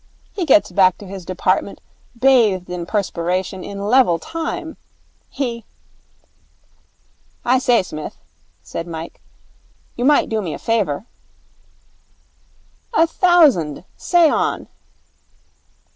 He gets back to his department bathed in perspiration, in level time. He ' 'I say, Smith,' said Mike, 'you might do me a favour.' 'A thousand. Say on.'